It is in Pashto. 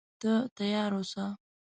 ته تیار اوسه.